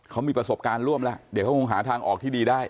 เขามีประสบการณ์ร่วมแล้วเดี๋ยวเขาคงหาทางออกที่ดีได้